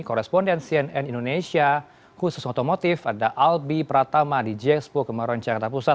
korrespondensi nn indonesia khusus otomotif ada albi pratama di jxpo kemarun canggata pusat